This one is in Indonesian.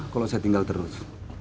kalau saya tinggal terus